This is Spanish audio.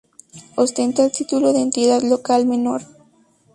Ostenta el título de entidad local menor.